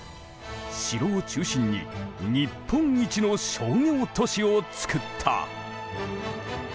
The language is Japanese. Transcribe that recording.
城を中心に日本一の商業都市をつくった。